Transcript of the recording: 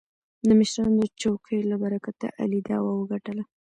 د مشرانو د چوکې له برکته علي دعوه وګټله.